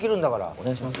お願いします。